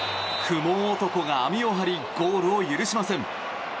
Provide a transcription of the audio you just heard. クモ男が網を張りゴールを許しません。